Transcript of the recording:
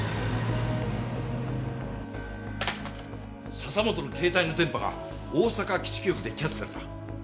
笹本の携帯の電波が大阪基地局でキャッチされた。